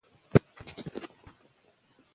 د ماشوم د خوب پر مهال شور کم کړئ.